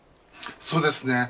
そうですね。